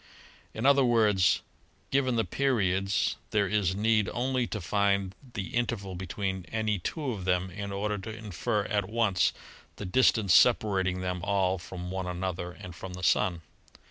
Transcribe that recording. In other words, given the periods, there is need only to find the interval between any two of them in order to infer at once the distance separating them all from one another and from the Sun.